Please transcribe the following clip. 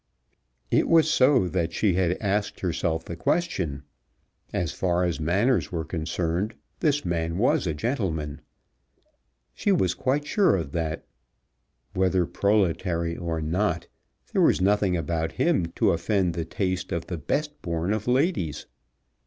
It was so that she had asked herself the question. As far as manners were concerned, this man was a gentleman. She was quite sure of that. Whether proletary or not, there was nothing about him to offend the taste of the best born of ladies.